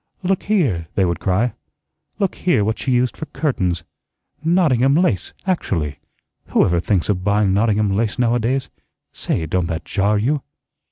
"Look here," they would cry, "look here what she used for curtains NOTTINGHAM lace, actually! Whoever thinks of buying Nottingham lace now a days? Say, don't that JAR you?"